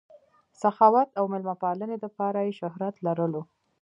سخاوت او مېلمه پالنې دپاره ئې شهرت لرلو